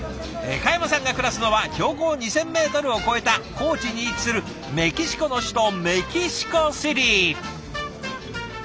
嘉山さんが暮らすのは標高２，０００ｍを超えた高地に位置するメキシコの首都メキシコシティ。